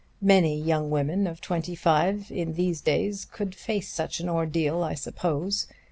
Many young women of twenty five in these days could face such an ordeal, I suppose.